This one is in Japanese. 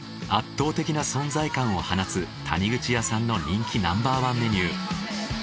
圧倒的な存在感を放つ谷口屋さんの人気ナンバーワンメニュー。